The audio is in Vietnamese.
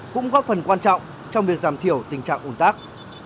cũng góp phần quan trọng trong việc giảm thiểu tình trạng ủn tắc